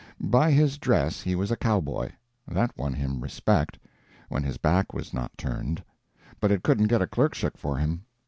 By his dress he was a cowboy; that won him respect—when his back was not turned—but it couldn't get a clerkship for him.